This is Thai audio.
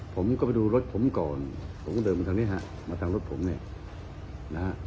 ผมก็ไปดูรถผมก่อนผมก็เดินมาทางนี้ฮะมาทางรถผมเนี่ยนะฮะ